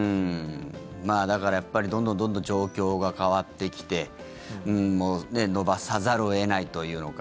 だから、やっぱりどんどん状況が変わってきて延ばさざるを得ないというのか。